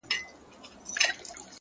هره ستونزه د بدلون اړتیا ښيي.!